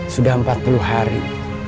sudah empat puluh hari